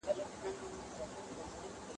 د خپل ورور زړه یې څیرلی په خنجر دی